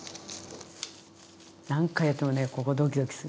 何回やってもねここドキドキする。